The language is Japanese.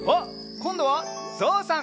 こんどはぞうさん！